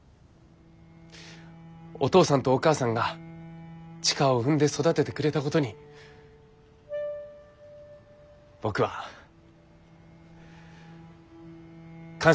お義父さんとお義母さんが千佳を産んで育ててくれたことに僕は感謝してます。